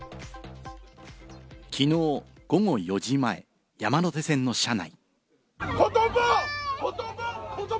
きのう午後４時前、山手線の車内。